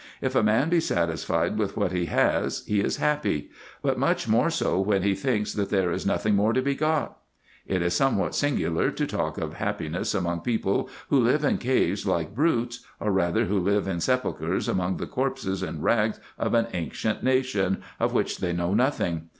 If a man be satisfied with what he has, he is happy ; but much more so when he thinks, that there is nothing more to be got. It is somewhat singular to talk of hap piness among people who live in caves like brutes, or rather who live in sepulchres among the corpses and rags of an ancient nation, of which they know nothing.